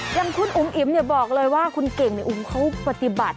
อย่างคุณอุ๋มอิ๋มบอกเลยว่าคุณเก่งในอุ๋มเขาปฏิบัติ